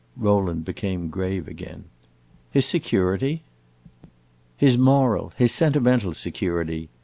Rowland became grave again. "His security?" "His moral, his sentimental security.